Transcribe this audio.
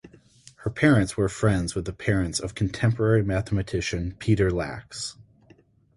Her parents were friends with the parents of contemporary mathematician Peter Lax.